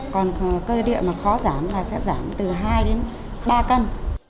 cơ địa mà khó giảm là sẽ giảm từ hai ba cân